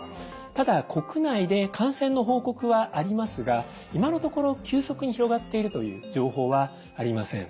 ただ国内で感染の報告はありますが今のところ急速に広がっているという情報はありません。